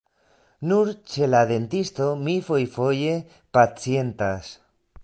Nur ĉe la dentisto mi fojfoje pacientas.